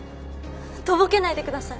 とぼけないでください。